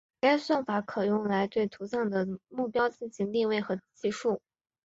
该算法可用来对图像的目标进行定位和计数。